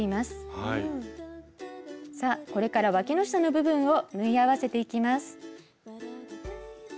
さあこれからわきの下の部分を縫い合わせていきます。